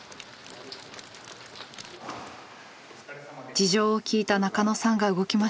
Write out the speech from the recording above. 事情を聞いた中野さんが動きました。